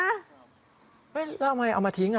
แล้วทำไมเอามาทิ้ง